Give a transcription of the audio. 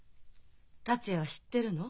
達也は知ってるの？